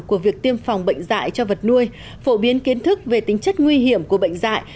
của việc tiêm phòng bệnh dạy cho vật nuôi phổ biến kiến thức về tính chất nguy hiểm của bệnh dạy